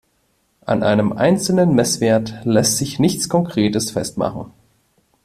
An einem einzelnen Messwert lässt sich nichts Konkretes festmachen.